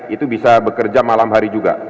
itu bisa bekerja malam hari juga